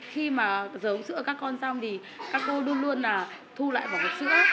khi mà giờ uống sữa các con xong thì các cô luôn luôn thu lại vỏ hộp sữa